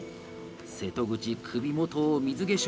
瀬戸口、首元を水化粧！